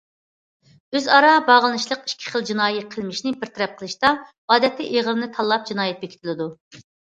ئۆزئارا باغلىنىشلىق ئىككى خىل جىنايى قىلمىشنى بىر تەرەپ قىلىشتا ئادەتتە ئېغىرىنى تاللاپ جىنايەت بېكىتىلىدۇ.